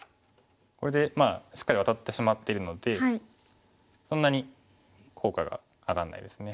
これでしっかりワタってしまっているのでそんなに効果が上がらないですね。